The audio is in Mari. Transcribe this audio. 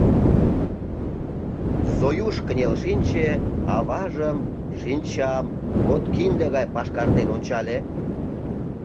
Зоюш кынел шинче, аважым шинчам подкинде гай пашкартен ончале.